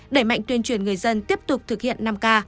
đẩy mạnh tuyên truyền người dân tiếp tục thực hiện năm k